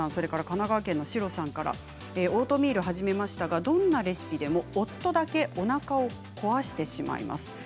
神奈川県の方からオートミールを始めましたがどんなレシピでも夫だけおなかを壊してしまいます。